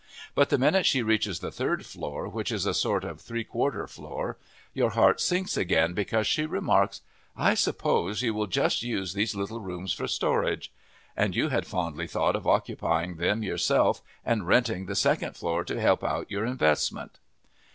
But the minute she reaches the third floor, which is a sort of three quarter floor, your heart sinks again, because she remarks: "I suppose you will just use these little rooms for storage!" And you had fondly thought of occupying them yourself and renting the second floor to help out your investment.